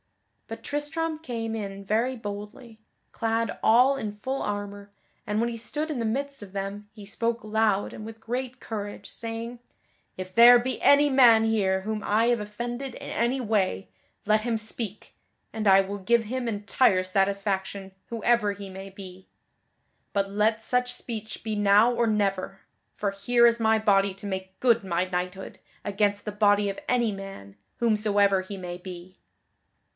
But Tristram came in very boldly, clad all in full armor, and when he stood in the midst of them he spoke loud and with great courage, saying: "If there be any man here whom I have offended in any way, let him speak, and I will give him entire satisfaction whoever he may be. But let such speech be now or never, for here is my body to make good my knighthood against the body of any man, whomsoever he may be."